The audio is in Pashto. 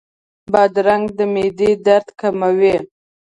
بادرنګ د معدې درد کموي.